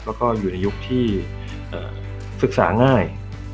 แล้วก็อยู่ในยุคที่ศึกษาง่าย